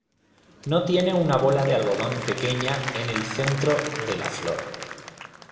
No tiene una bola de algodón pequeña en el centro de la flor.